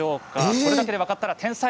これだけで分かったら天才。